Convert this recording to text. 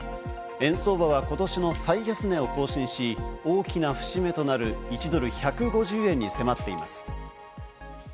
円相場はことしの最安値を更新し、大きな節目となる１ドル＝１５０円に迫っています。